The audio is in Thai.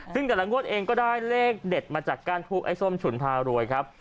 ซึ่งแต่ละงวดเองก็ได้เลขเด็ดมาจากก้านทูบไอ้ส้มฉุนพารวยครับ